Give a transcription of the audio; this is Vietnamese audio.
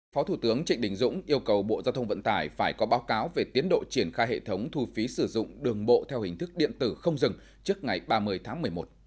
phó thủ tướng trịnh đình dũng yêu cầu bộ giao thông vận tải phải có báo cáo về tiến độ triển khai hệ thống thu phí sử dụng đường bộ theo hình thức điện tử không dừng trước ngày ba mươi tháng một mươi một